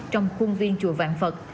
trong khuôn viên chùa vạn phật